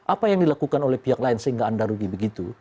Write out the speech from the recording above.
apa yang dilakukan oleh pihak lain sehingga anda rugi begitu